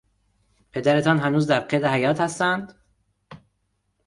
پدرتان هنوز در قید حیات هستند؟